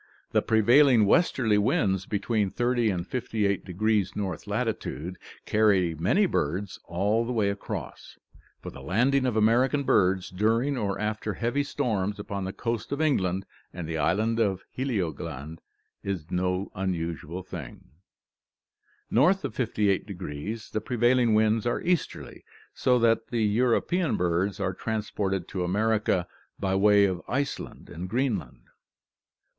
The prevailing westerly winds between 300 and 58° north latitude carry many birds all the way across, for the landing of American birds during or after heavy storms upon the coast of England and the island of Heligoland is no unusual thing. North of 58° the prevailing winds are easterly, so that the European birds are transported to America by way of Iceland and Greenland.